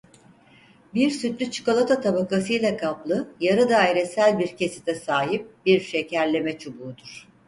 Bir sütlü çikolata tabakasıyla kaplı yarı dairesel bir kesite sahip bir şekerleme çubuğudur.